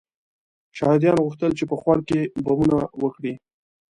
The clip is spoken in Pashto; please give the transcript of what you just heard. شهادیانو غوښتل چې په خوړ کې بمونه وکري.